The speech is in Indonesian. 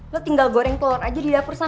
lo tinggal goreng telur aja di dapur sana